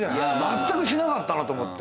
まったくしなかったなと思って。